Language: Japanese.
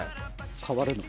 ・変わるのか？